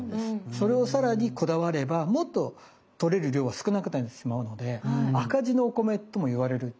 それをさらにこだわればもっと取れる量は少なくなってしまうので赤字のお米ともいわれる。